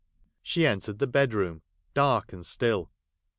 She entered the bed room, dark and still.